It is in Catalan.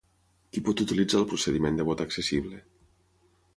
Qui pot utilitzar el procediment de vot accessible?